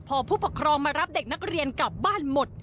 พอผู้ปกครองมารับเด็กนักเรียนกลับบ้านหมด